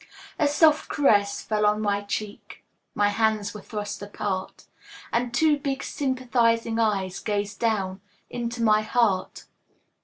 A soft caress fell on my cheek, My hands were thrust apart. And two big sympathizing eyes Gazed down into my heart.